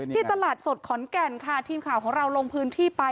ตลาดสดขอนแก่นค่ะทีมข่าวของเราลงพื้นที่ไป